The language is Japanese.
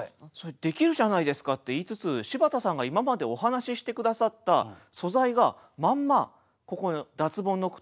「できるじゃないですか」って言いつつ柴田さんが今までお話しして下さった素材がまんまここに脱ボンの句とし